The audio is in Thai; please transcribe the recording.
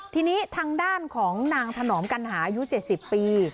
ทีนี้ทางด้านของนางถนอมกัณหาอายุ๗๐ปี